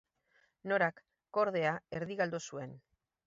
Norak kordea erdi galdu zuen.